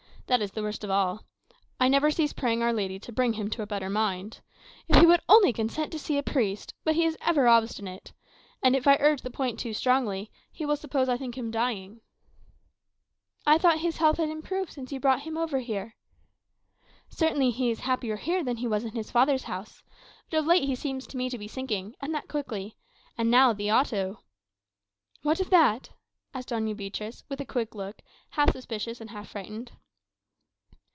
That is the worst of all. I never cease praying Our Lady to bring him to a better mind. If he would only consent to see a priest; but he was ever obstinate. And if I urge the point too strongly, he will think I suppose him dying." "I thought his health had improved since you had him brought over here." "Certainly he is happier here than he was in his father's house. But of late he seems to me to be sinking, and that quickly. And now, the Auto " "What of that?" asked Doña Beatriz, with a quick look, half suspicious and half frightened.